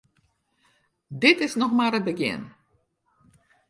Dit is noch mar it begjin.